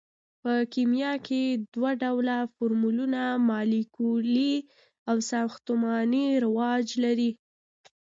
په کیمیا کې دوه ډوله فورمولونه مالیکولي او ساختماني رواج لري.